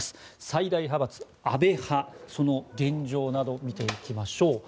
最大派閥・安倍派その現状などを見ていきましょう。